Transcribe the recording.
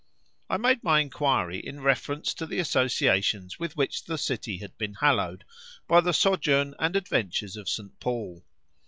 I made my inquiry in reference to the associations with which the city had been hallowed by the sojourn and adventures of St. Paul.